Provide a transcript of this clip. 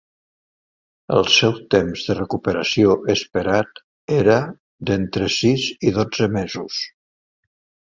El seu temps de recuperació esperat era d'entre sis i dotze mesos.